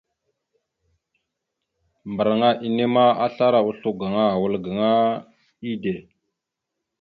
Mbarŋa enne ma, aslara oslo gaŋa ma, wal gaŋa ide.